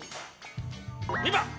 ２ばん！